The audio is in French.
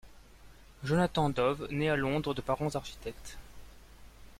Jonathan Dove naît à Londres de parents architectes.